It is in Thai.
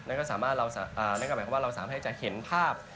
แล้วก็ก็แสดงว่าเราสามารถให้จะเห็นภาพ